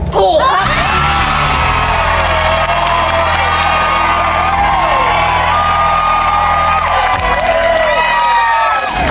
ถูกครับ